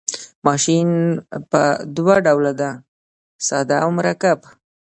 ماشین په دوه ډوله دی ساده او مرکب.